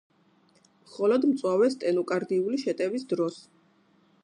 მხოლოდ მწვავე სტენოკარდიული შეტევის დროს.